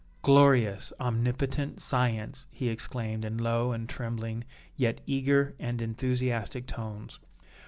"Glorious, omnipotent science!" he exclaimed in low and trembling, yet eager and enthusiastic tones.